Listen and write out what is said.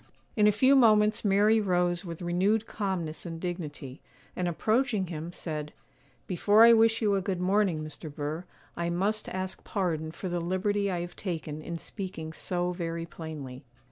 In a few moments Mary rose with renewed calmness and dignity, and approaching him, said, 'Before I wish you a good morning, Mr. Burr, I must ask pardon for the liberty I have taken in speaking so very plainly.